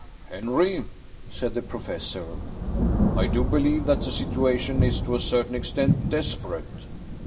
"Henry," said the Professor, "I do believe that the situation is to a certain extent desperate.